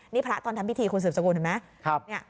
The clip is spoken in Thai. นี่พระตอนทำพิธีคุณสืบสกุลเห็นไหม